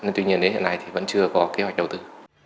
nên tuy nhiên đến hiện nay thì vẫn chưa có kế hoạch đầu tư